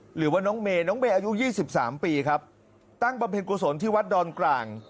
หรือว่าน้องเมน้องเมอายุยี่สิบสามปีครับตั้งบรรเภนกุศลที่วัดดอนกร่าง